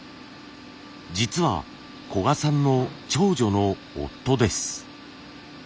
実は古賀さんの長女の夫です。